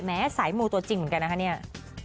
แม้สายโมตัวจริงเหมือนกันนะคะ